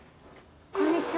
こんにちは。